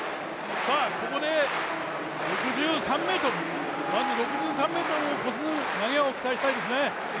ここで６３ｍを越す投げを期待したいですね。